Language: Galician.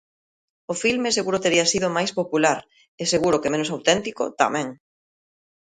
O filme seguro tería sido máis popular, e seguro que menos auténtico, tamén.